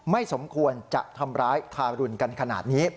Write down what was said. ไม่สมควรจะทำร้ายทารุณกันขนาดนี้